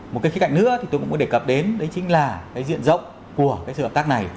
một cái cạnh nữa thì tôi cũng muốn đề cập đến đấy chính là cái diện rộng của cái sự hợp tác này